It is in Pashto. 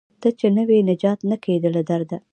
ته چې نه وې نجات نه کیده له درده